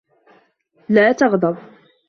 لَا تَغْضَبْ